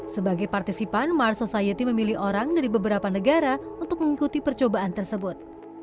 sebagai partisipan mars society memilih orang dari beberapa negara untuk mengikuti percobaan tersebut